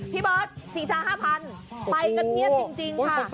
พี่เบิร์ตศีรษะ๕๐๐๐บาทไปเงินเทียบจริงค่ะ